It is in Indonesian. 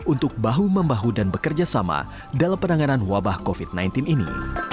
untuk bahu membahu dan bekerja sama dalam penanganan wabah covid sembilan belas ini